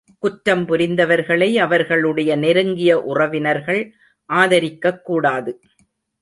குற்றம் புரிந்தவர்களை, அவர்களுடைய நெருங்கிய உறவினர்கள் ஆதரிக்கக் கூடாது.